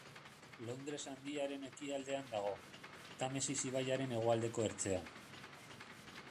Londres Handiaren ekialdean dago, Tamesis ibaiaren hegoaldeko ertzean.